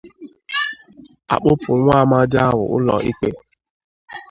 a kpụpụ nwa amadi ahụ ụlọ ikpe.